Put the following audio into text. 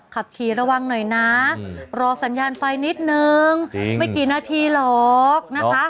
ขับขี่ระวังหน่อยนะรอสัญญาณไฟนิดนึงไม่กี่นาทีหรอกนะคะ